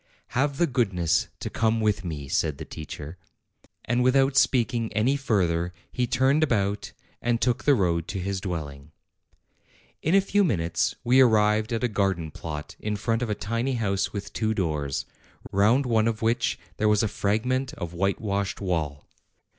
"Have the goodness to come with me," said the teacher. And without speaking any further he turned about and took the road to his dwelling. In a few minutes we arrived at a garden plot in front of a tiny house with two doors, round one of which there was a fragment of whitewashed wall.